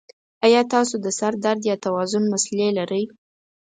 ایا تاسو د سر درد یا توازن مسلې لرئ؟